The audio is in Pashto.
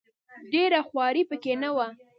ډېره خواري په کې نه وه.